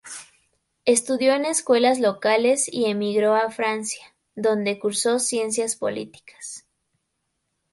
Estudió en escuelas locales y emigró a Francia, donde cursó Ciencias Políticas.